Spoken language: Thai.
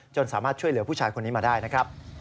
สามารถช่วยเหลือผู้ชายคนนี้มาได้นะครับ